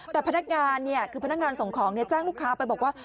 แต่พนักงานคือพนักงานส่งของแจ้งลูกค้าไปบอกว่า